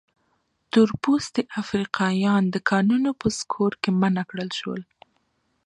تور پوستي افریقایان د کانونو په سکتور کې منع کړل شول.